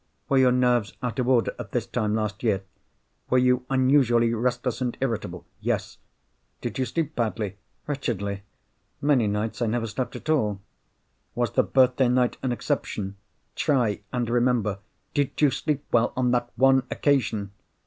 "Were your nerves out of order, at this time last year? Were you unusually restless and irritable?" "Yes." "Did you sleep badly?" "Wretchedly. Many nights I never slept at all." "Was the birthday night an exception? Try, and remember. Did you sleep well on that one occasion?"